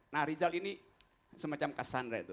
nah rizal ini semacam cassandra itu